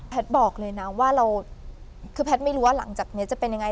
บอกเลยนะว่าเราคือแพทย์ไม่รู้ว่าหลังจากนี้จะเป็นยังไง